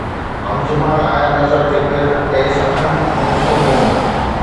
هم زبان آيا نظر فڪر- اي سخن مون سو مون